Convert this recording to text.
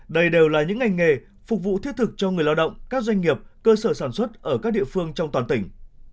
đây đều là những ngành nghề phục vụ thiết thực cho người lao động các doanh nghiệp cơ sở sản xuất ở các địa phương trong toàn tỉnh